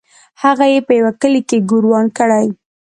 هغه یې په یوه کلي کې ګوروان کړی.